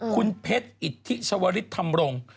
คุณเพชรอิทธิชวริสธรรมรงค์